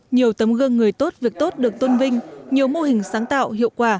nhiều tấm gương người tốt việc tốt được tôn vinh nhiều mô hình sáng tạo hiệu quả